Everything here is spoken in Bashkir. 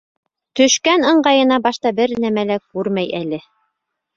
Төшкән ыңғайына башта бер нәмә лә күрмәй әле.